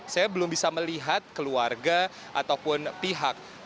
saya belum bisa melihat keluarga ataupun pihak dari salah satu orang